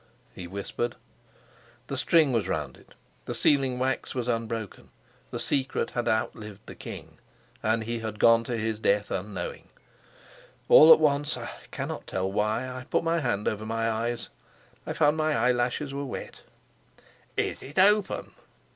he whispered. The string was round it; the sealing wax was unbroken. The secret had outlived the king, and he had gone to his death unknowing. All at once I cannot tell why I put my hand over my eyes; I found my eyelashes were wet. "Is it open?"